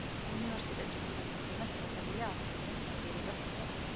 უნივერსიტეტში სტუდენტთა ცოდნა შეფასებულია ას ქულიანი საკრედიტო სისტემით.